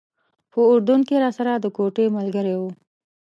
په اردن کې راسره د کوټې ملګری و.